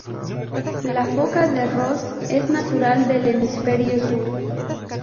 La Foca de Ross es natural del hemisferio Sur.